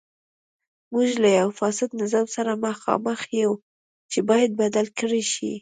موږ له یوه فاسد نظام سره مخامخ یو چې باید بدل کړای شي.